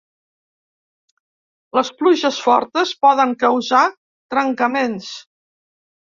Les pluges fortes poden causar trencaments.